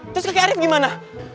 terus kakek arief gimana